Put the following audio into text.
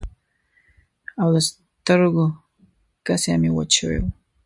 او د سترګو کسی مې وچ شوي وو.